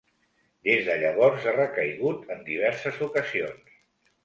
Des de llavors ha recaigut en diverses ocasions.